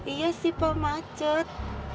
iya sih pa macet